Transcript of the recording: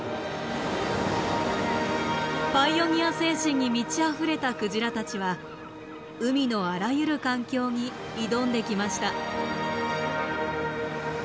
パイオニア精神に満ちあふれたクジラたちは海のあらゆる環境に挑んできました。